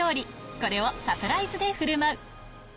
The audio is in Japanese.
これをサプライズでふるまう